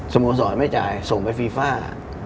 สมมุติศาสตร์ไม่จ่ายส่งไปฟีฟ้า